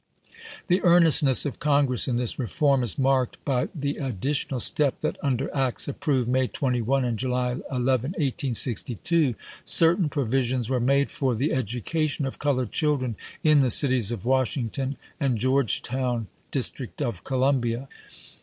The earnestness of Congress in this reform is marked by the additional step that, under acts approved May 21 and July 11, 1862, certain provisions were made for the education of colored children in the cities of Washington and George town, District of Columbia.